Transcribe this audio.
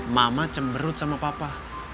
mama cemberut sama papa